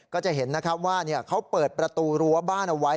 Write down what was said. ก็จะเห็นนะครับว่าเขาเปิดประตูรั้วบ้านเอาไว้